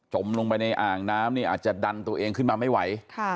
ลงไปในอ่างน้ำนี่อาจจะดันตัวเองขึ้นมาไม่ไหว